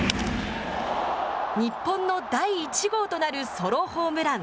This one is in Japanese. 日本の第１号となるソロホームラン。